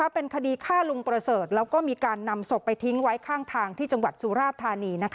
เป็นคดีฆ่าลุงประเสริฐแล้วก็มีการนำศพไปทิ้งไว้ข้างทางที่จังหวัดสุราชธานี